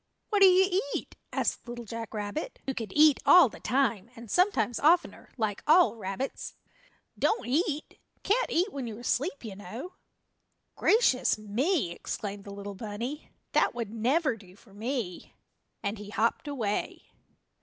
"What do you eat?" asked Little Jack Rabbit, who could eat all the time, and sometimes oftener, like all rabbits. "Don't eat can't eat when you're asleep, you know." "Gracious me!" exclaimed the little bunny, "that would never do for me!" and he hopped away.